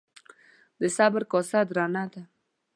د صبر کاسه درنه ده.